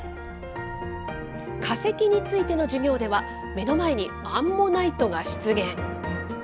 化石についての授業では、目の前にアンモナイトが出現。